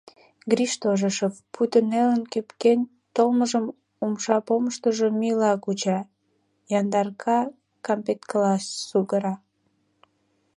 Гриш тожо шып, пуйто нелын-кӧпкен толмыжым умша помыштыжо мӱйла куча, яндарка кампеткыла сугыра.